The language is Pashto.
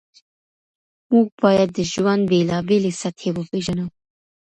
موږ باید د ژوند بېلابېلې سطحې وپېژنو.